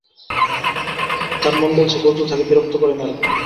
তাঁর মন বলছে বজলু তাঁকে বিরক্ত করে মারবে।